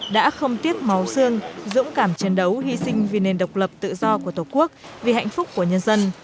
đã không tiếc máu xương dũng cảm chiến đấu hy sinh vì nền độc lập tự do của tổ quốc vì hạnh phúc của nhân dân